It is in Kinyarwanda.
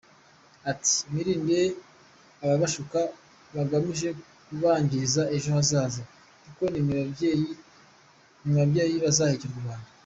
Ati “Mwirinde ababashuka bagamije kubangiriza ejo hazaza kuko ni mwe babyeyi bazahekera u Rwanda.